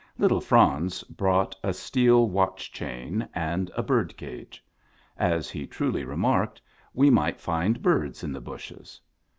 Little Franz brought a steel watch chain and a bird cage. As he truly re marked, we might find birds in the bushes.